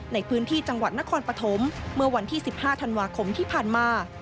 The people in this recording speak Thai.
ในพื้นที่จังหวัดนครปฐมเมื่อวันที่๑๕ธันวาคมที่ผ่านมา